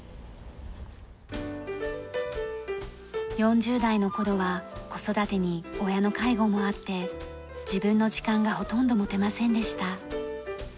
４０代の頃は子育てに親の介護もあって自分の時間がほとんど持てませんでした。